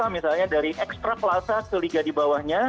misalnya dari ekstra plaza ke liga di bawahnya